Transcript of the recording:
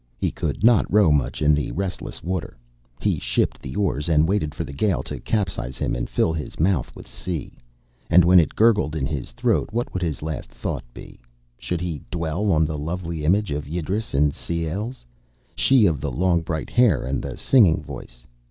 He could not row much in the restless water, he shipped the oars and waited for the gale to capsize him and fill his mouth with the sea. And when it gurgled in his throat, what would his last thought be? Should he dwell on the lovely image of Ydris in Seilles, she of the long bright hair and the singing voice?